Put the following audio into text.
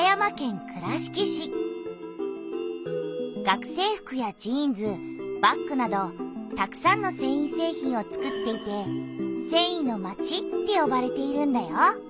学生服やジーンズバッグなどたくさんのせんい製品をつくっていて「せんいのまち」ってよばれているんだよ。